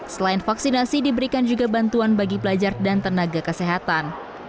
selain vaksinasi diberikan juga bantuan bagi pelajar dan tenaga kesehatan